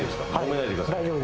もめないでくださいね。